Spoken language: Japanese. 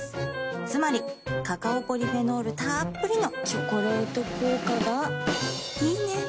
つまりカカオポリフェノールたっぷりの「チョコレート効果」がいいね。